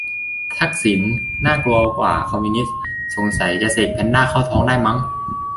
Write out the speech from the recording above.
'ทักษิณ น่ากลัวกว่า คอมมิวนิสต์' สงสัยจะเสกแพนด้าเข้าท้องได้มั้ง